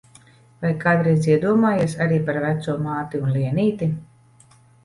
Vai kādreiz iedomājies arī par veco māti un Lienīti?